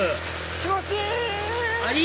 気持ちいい！